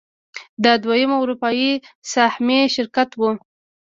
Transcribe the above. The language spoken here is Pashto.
دا دویم اروپايي سهامي شرکت و.